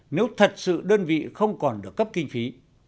nếu thật sự đơn vị không còn được cấp kinh phí